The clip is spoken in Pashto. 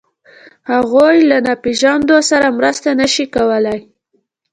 هغوی له ناپېژاندو سره مرسته نهشي کولی.